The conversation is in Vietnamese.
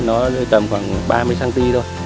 nó tầm khoảng ba mươi cm thôi